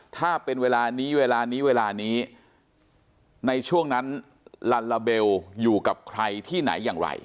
ถ้าเป็นเวลานี้เวลานี้เวลานี้ในช่วงนั้นลัลลาเบลอยู่กับใครที่ไหนอย่างไร